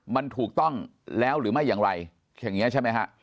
มันถูกต้องแล้วหรือไม่อย่างไรอย่างนี้ใช่ไหมฮะ